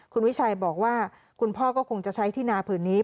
คุณวิชัยบอกว่าคุณพ่อก็คงจะใช้ที่นาผืนนี้